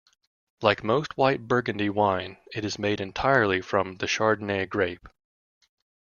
Like most white Burgundy wine it is made entirely from the Chardonnay grape.